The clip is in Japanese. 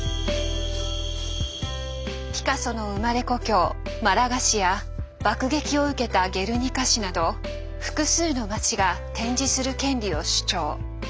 ピカソの生まれ故郷・マラガ市や爆撃を受けたゲルニカ市など複数の町が展示する権利を主張。